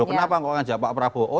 kenapa kok ngajak pak prabowo